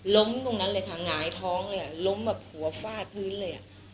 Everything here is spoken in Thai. ล้มตรงนั้นเลยค่ะหงายท้องเลยอ่ะล้มแบบหัวฟาดพื้นเลยอ่ะ